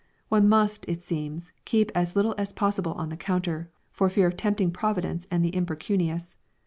One must, it seems, keep as little as possible on the counter, for fear of tempting Providence and the impecunious!